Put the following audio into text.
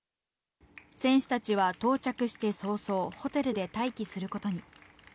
選手たちは到着して早々ホテルで待機することに。